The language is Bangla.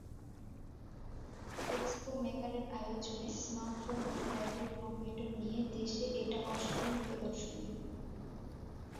এক্সপো মেকারের আয়োজনে স্মার্টফোন ও ট্যাবলেট কম্পিউটার নিয়ে দেশে এটা অষ্টম প্রদর্শনী।